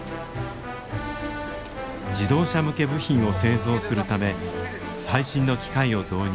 自動車向け部品を製造するため最新の機械を導入。